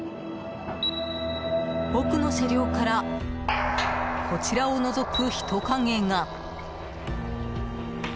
奥の車両からこちらをのぞく人影が。